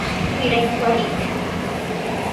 Irai kuaride.